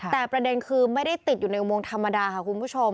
แต่ประเด็นคือไม่ได้ติดอยู่ในอุโมงธรรมดาค่ะคุณผู้ชม